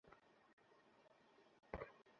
ওরা খুব প্রখর আর মরিয়া একটা সমষ্টি।